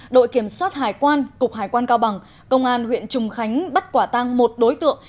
đội kiểm soát hải quan cục hải quan cao bằng công an huyện trùng khánh bắt quả tang một đối tượng